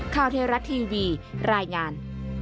ข้าวเทราะทีวีรายงาน